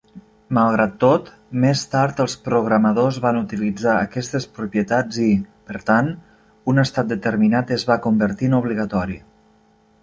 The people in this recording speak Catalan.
Malgrat tot, més tard els programadors van utilitzar aquestes propietats i, per tant, un estat determinat es va convertir en obligatori.